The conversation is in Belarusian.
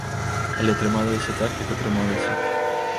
Але атрымалася так, як атрымалася.